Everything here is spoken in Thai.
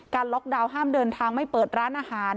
ล็อกดาวน์ห้ามเดินทางไม่เปิดร้านอาหาร